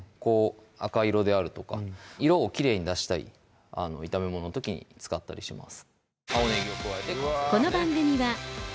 赤色であるとか色をきれいに出したい炒めものの時に使ったりします